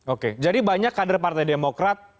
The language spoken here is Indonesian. oke jadi banyak kader partai demokrat